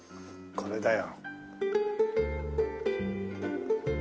これだよ。